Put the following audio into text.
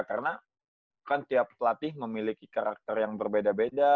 karena kan tiap pelatih memiliki karakter yang berbeda beda